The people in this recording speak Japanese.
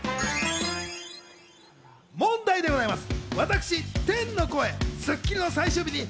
問題でございます。